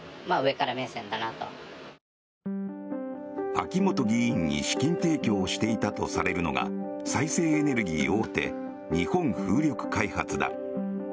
秋本議員に資金提供をしていたとされるのが再生エネルギー大手日本風力開発だ。